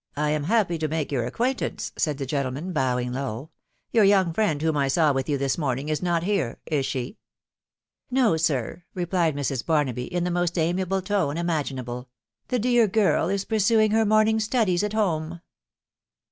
1 am happy to make your acquaintance," said the gentle man, bowing low. " Your young friend whom I saw with you this morning is not here .... is she ?"" No, sir," replied Mrs. Barnaby, in the most amiable tone imaginable ;" the dear girl is pursuing her morning studies at home."